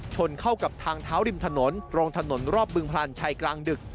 ชนเข้ากับทางเท้าริมถนนตรงถนนรอบบึงพลานชัยกลางดึก